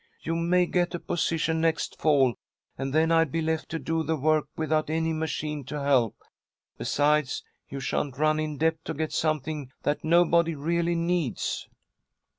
You may get a position next fall, and then I'd be left to do the work without any machine to help. Besides, you sha'n't run in debt to get something that nobody really needs."